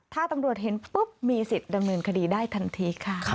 ถ้าตำรวจเห็นปุ๊บมีสิทธิ์ดำเนินคดีได้ทันทีค่ะ